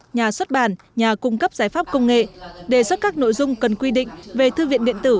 nhà xuất bản nhà cung cấp giải pháp công nghệ đề xuất các nội dung cần quy định về thư viện điện tử